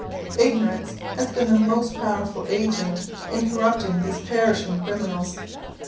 Ignorance has been the most powerful agent in corrupting these perishing criminals.